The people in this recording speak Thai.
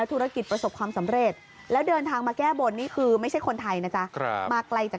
มีเลขทะเบียนมั้ย